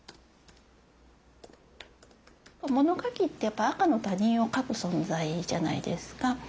物書きってやっぱ赤の他人を書く存在じゃないですか。